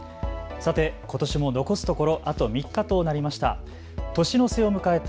さて、ことしも残すところあと３日となりました。